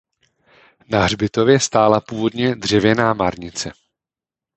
Na hřbitově stála původně dřevěná márnice.